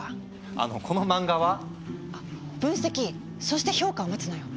あのこの漫画は？分析そして評価を待つのよ。